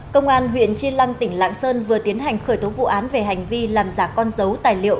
công an huyện chi lăng tỉnh lạng sơn vừa tiến hành khởi tố vụ án về hành vi làm giả con dấu tài liệu